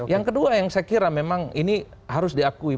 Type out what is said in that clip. yang kedua yang saya kira memang ini harus diakui